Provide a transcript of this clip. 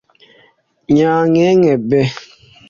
Nyankenke B